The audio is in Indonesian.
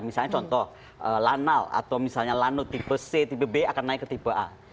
misalnya contoh lanal atau misalnya lanut tipe c tipe b akan naik ke tipe a